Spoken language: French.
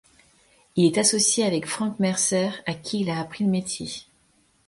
Il est associé avec Franck Mercer à qui il a appris le métier.